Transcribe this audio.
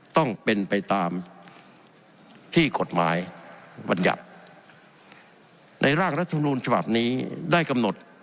ต้องเป็นไปตามที่กฎหมายบรรยัติในร่างรัฐมนูลฉบับนี้ได้กำหนด